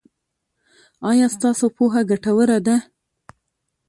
ایا ستاسو پوهه ګټوره ده؟